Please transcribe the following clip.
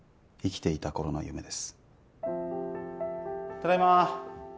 ただいま。